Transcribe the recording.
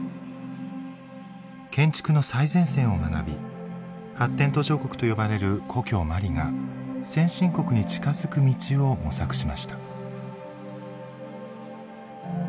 建築の最前線を学び発展途上国と呼ばれる故郷マリが先進国に近づく道を模索しました。